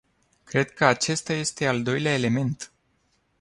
Cred că acesta este al doilea element.